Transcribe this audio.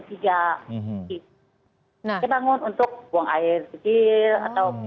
dia bangun untuk buang air tidur